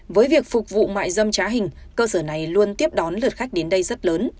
với việc phục vụ mại dâm trá hình cơ sở này luôn tiếp đón lượt khách đến đây rất lớn